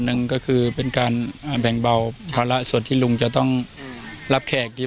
หนึ่งก็คือเป็นการแบ่งเบาภาระส่วนที่ลุงจะต้องรับแขกดี